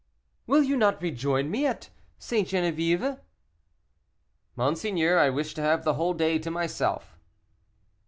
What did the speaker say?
"Will you not rejoin me at St. Geneviève?" "Monseigneur, I wish to have the whole day to myself."